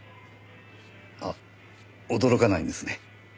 あっ驚かないんですね。